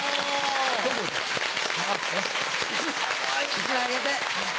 １枚あげて。